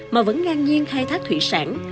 mà vẫn ngang nhiên khai thác thủy sản